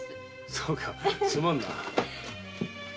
そうかすまんな。